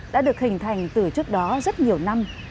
đã được hình thành từ trước đó rất nhiều năm